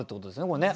これね。